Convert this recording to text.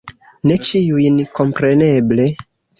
Ne ĉiujn, kompreneble.